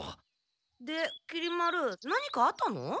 できり丸何かあったの？